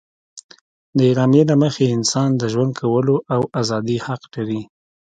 د اعلامیې له مخې انسان د ژوند کولو او ازادي حق لري.